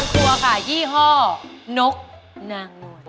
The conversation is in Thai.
นี่คืออุโมกรครัวค่ะยี่ห้อนกนางนวณ